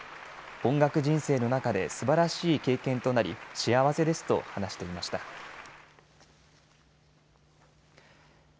音楽人生の中ですばらしい経験となり、幸せですと話していました。